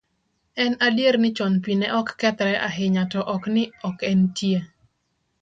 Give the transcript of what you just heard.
En adier ni chon pi ne ok kethre ahinya to ok ni ok entie.